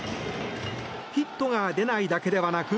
ヒットが出ないだけではなく。